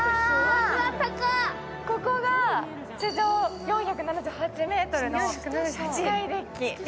ここが地上４７８ｍのスカイデッキ。